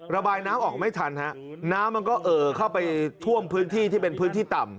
ระบายน้ำออกไม่ทันฮะน้ำมันก็เอ่อเข้าไปท่วมพื้นที่ที่เป็นพื้นที่ต่ำ